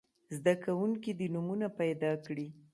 زده کوونکي دې نومونه پیداکړي.